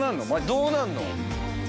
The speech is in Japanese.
どうなんの？